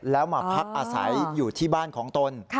แล้วมาพักอาศัยอยู่ที่บ้านของตน